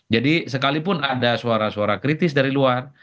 jadi sekalipun ada suara suara kritis dari luar